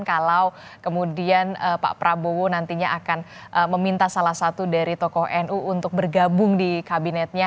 kalau kemudian pak prabowo nantinya akan meminta salah satu dari tokoh nu untuk bergabung di kabinetnya